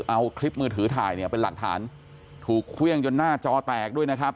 เอาคลิปมือถือถ่ายเนี่ยเป็นหลักฐานถูกเครื่องจนหน้าจอแตกด้วยนะครับ